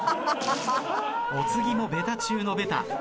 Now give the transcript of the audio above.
お次もベタ中のベタ。